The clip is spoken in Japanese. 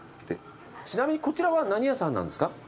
ちなみにこちらは何屋さんなんですか？